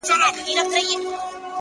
څنگه بيلتون كي گراني شعر وليكم؛